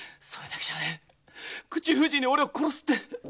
それだけじゃねえ口封じに俺を殺すって！